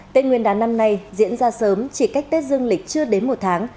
tết nguyên đán năm nay diễn ra sớm chỉ cách tết dương lịch chưa đến một tháng